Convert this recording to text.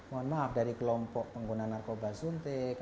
mohon maaf dari kelompok pengguna narkoba suntik